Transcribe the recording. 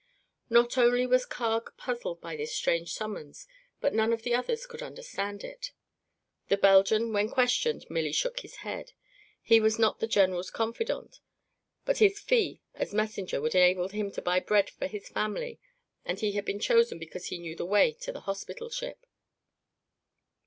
Not only was Carg puzzled by this strange summons but none of the others could understand it. The Belgian, when questioned, merely shook his head. He was not the general's confidant, but his fee as messenger would enable him to buy bread for his family and he had been chosen because he knew the way to the hospital ship.